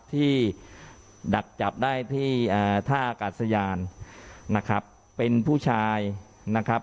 ดักจับได้ที่ท่าอากาศยานนะครับเป็นผู้ชายนะครับ